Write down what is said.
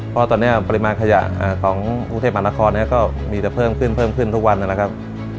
เพราะว่าตอนเนี่ยปริมาณขยะของภูเทพหมาละครเนี่ยก็มีจะเพิ่มขึ้นทุกวันนะครับ